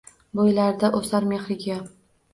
Bo’ylarida o’sar mehrigiyosi